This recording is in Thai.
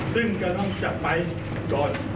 ซึ่งก็ต้องจะไปก่อน